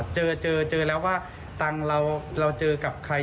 เจอแล้วว่าตั้งเราเจอกับใคร